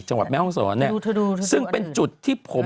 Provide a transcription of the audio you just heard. จังหวัดแม้วคศาลเนี่ยไปดูซึ่งเป็นจุดที่ผม